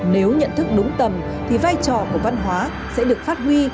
nếu nhận thức đúng tầm thì vai trò của văn hóa sẽ được phát huy